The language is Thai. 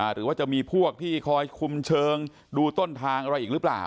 หรือว่าจะมีพวกที่คอยคุมเชิงดูต้นทางอะไรอีกหรือเปล่า